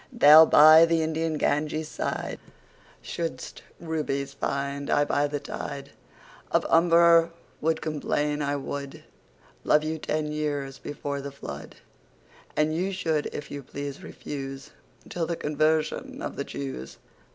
Thou by the Indian Ganges sideShould'st Rubies find: I by the TideOf Humber would complain. I wouldLove you ten years before the Flood:And you should if you please refuseTill the Conversion of the Jews.